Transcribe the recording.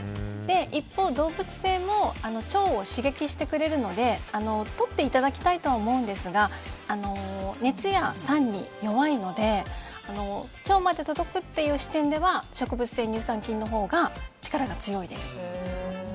一方、動物性も腸を刺激してくれるのでとっていただきたいとは思うんですが熱や酸に弱いので腸まで届くという視点では植物性乳酸菌のほうが力が強いです。